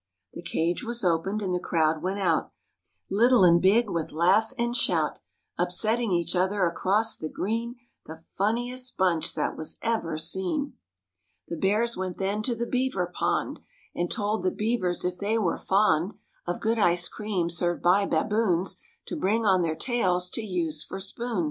The cage was opened and the crowd went out, Little and big, with laugh and shout, Upsetting each other across the green, The funniest bunch that was ever seen. The Bears went then to the beaver pond And told the beavers if they were fond Of good ice cream served by baboons To bring on their tails to use for spoons.